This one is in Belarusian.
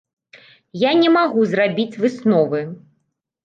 Я не магу зрабіць высновы.